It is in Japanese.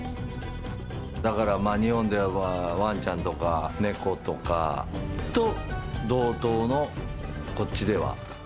だから日本ではワンちゃんとか猫とかと同等の、こっちでは。